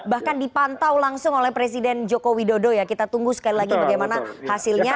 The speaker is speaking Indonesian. bahkan dipantau langsung oleh presiden joko widodo ya kita tunggu sekali lagi bagaimana hasilnya